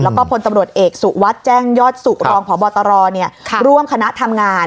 แล้วก็พลตำรวจเอกสุวัสดิ์แจ้งยอดสุขรองพบตรร่วมคณะทำงาน